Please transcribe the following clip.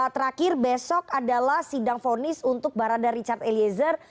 terakhir besok adalah sidang fonis untuk barada richard eliezer